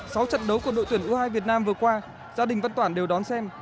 sáu trận đấu của đội tuyển u hai mươi hai việt nam vừa qua gia đình văn toản đều đón xem